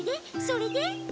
それで？